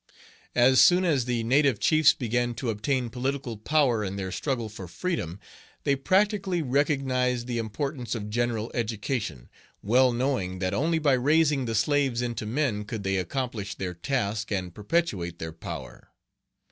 As soon as the native chiefs began to obtain political power in their struggle for freedom, they practically recognized the importance of general education, well knowing that only by raising the slaves into men could they accomplish their task and perpetuate their power.